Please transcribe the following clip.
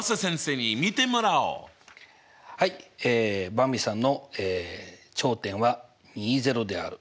ばんびさんの頂点はである。